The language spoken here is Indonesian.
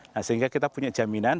nah sehingga kita punya jaminan